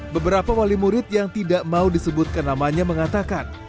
beberapa wali murid yang tidak mau disebutkan namanya mengatakan